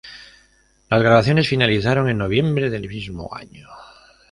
Las grabaciones finalizaron en Noviembre del mismo año.